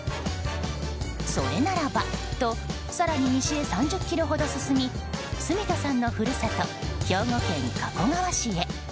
それならばと更に西へ３０ｋｍほど進み住田さんの故郷兵庫県加古川市へ。